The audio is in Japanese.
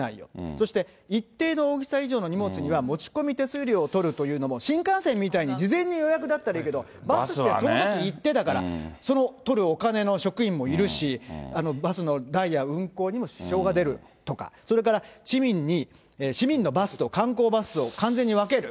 そして一定の大きさ以上の荷物には持ち込み手数料を取るというのも、新幹線みたいに事前に予約だったらいいけど、バスってそのとき行ってだから、その取るお金の職員もいるし、バスのダイヤ運行にも支障が出るとか、それから市民に、市民のバスと観光バスを完全に分ける。